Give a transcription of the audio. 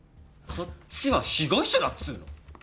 こっちは被害者だっつうの！